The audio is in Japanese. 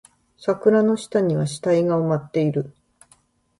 桜の下には死体が埋まっている